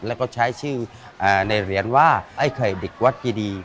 แล้วก็ใช้ชื่อในเหรียญว่าไอ้ไข่เด็กวัดเจดี